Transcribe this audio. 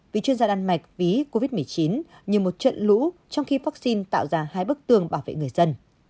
vì chuyên gia đan mạch ví covid một mươi chín như một trận lũ trong khi vaccine tạo ra hai bức tường bảo vệ người dân